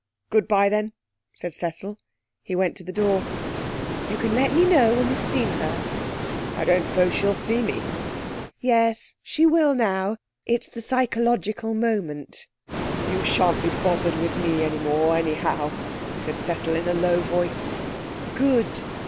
'Good bye, then,' said Cecil. He went to the door. 'You can let me know when you've seen her.' 'I don't suppose she'll see me.' 'Yes, she will now. It's the psychological moment.' 'You shan't be bothered with me any more, anyhow,' said Cecil in a low voice. 'Good.